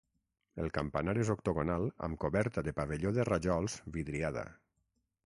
El campanar és octogonal amb coberta de pavelló de rajols vidriada.